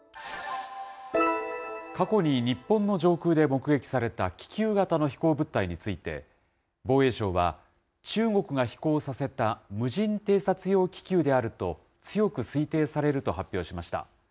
過去に日本の上空で目撃された気球型の飛行物体について、防衛省は、中国が飛行させた無人偵察用気球であると強く推定されると発表しました。